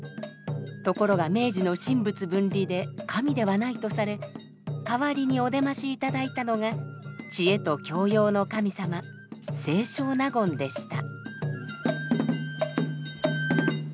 ところが明治の神仏分離で神ではないとされ代わりにお出まし頂いたのが知恵と教養の神様清少納言でした。